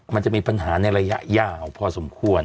มันจะมีปัญหาในระยะยาวพอสมควร